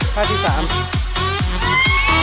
ค่าที่สี่